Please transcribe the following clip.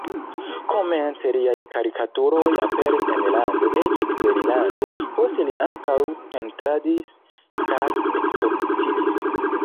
Komence liaj karikaturoj aperis enlande, eĉ eksterlande, poste li ankaŭ pentradis kaj ekspoziciis.